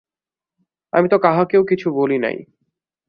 আমি তো কাহাকেও কিছু বলি নাই।